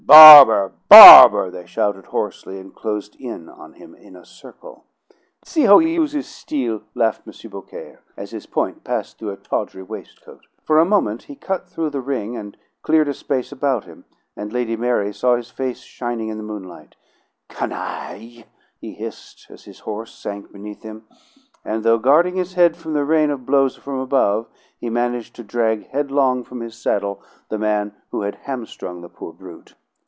"Barber! Barber!" they shouted hoarsely, and closed in on him in a circle. "See how he use his steel!" laughed M. Beaucaire, as his point passed through a tawdry waistcoat. For a moment he cut through the ring and cleared a space about him, and Lady Mary saw his face shining in the moonlight. "Canaille!" he hissed, as his horse sank beneath him; and, though guarding his head from the rain of blows from above, he managed to drag headlong from his saddle the man who had hamstrung the poor brute.